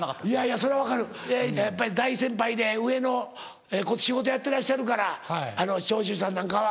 それは分かるやっぱり大先輩で上の仕事やってらっしゃるから長州さんなんかは。